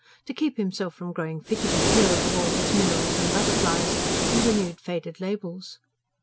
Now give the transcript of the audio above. To keep himself from growing fidgety, he overhauled his minerals and butterflies, and renewed faded labels.